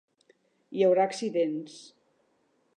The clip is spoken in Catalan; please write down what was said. Hi haurà accidents.